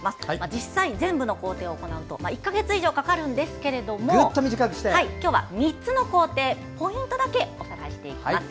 実際、全部の工程を行うと１か月以上かかるんですけども今日は３つの工程ポイントだけご紹介します。